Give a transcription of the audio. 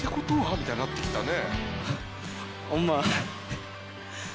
みたいになってきたね。